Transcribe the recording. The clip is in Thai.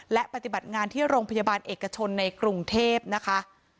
และปฏิบัติงานที่โรงพยาบาลเอกชนในกรุงเทพนะคะ